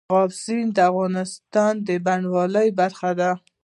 مورغاب سیند د افغانستان د بڼوالۍ برخه ده.